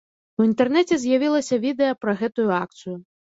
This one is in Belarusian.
У інтэрнэце з'явілася відэа пра гэтую акцыю.